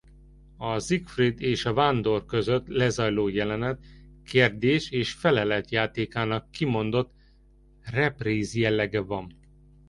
A Siegfried és a Vándor között lezajló jelenet kérdés- és felelet-játékának kimondott repríz-jellege van.